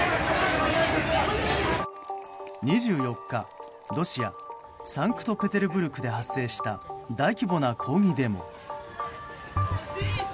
２４日ロシア・サンクトペテルブルグで発生した大規模な抗議デモ。